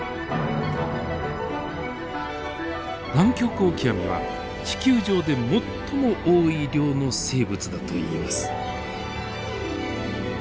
ナンキョクオキアミは地球上で最も多い量の生物だといいます。